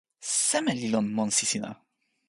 seme li lon monsi sina?